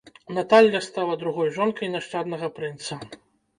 Наталля стала другой жонкай нашчаднага прынца.